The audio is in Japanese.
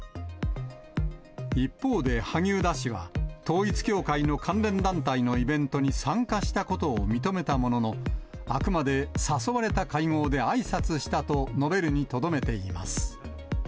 一方で萩生田氏は、統一教会の関連団体のイベントに参加したことを認めたものの、あくまで誘われた会合であいさつしたと述べるにとどめています。